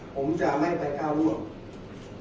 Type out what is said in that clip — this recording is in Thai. ผมจะไม่ไปก้าวร่วง